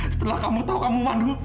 setelah kamu tahu kamu mandung